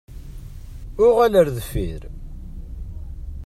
Uɣal ar deffir!